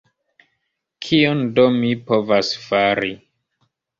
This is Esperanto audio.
Kion do mi povas fari?